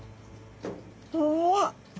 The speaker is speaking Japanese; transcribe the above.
うわっ。